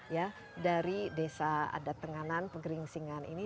ya dari desa adat tenganan pegering singan ini